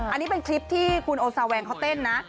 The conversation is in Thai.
อันนี้เป็นคลิปที่คุณโอซาแวงเขาเต้นนะ